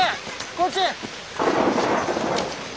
こっち！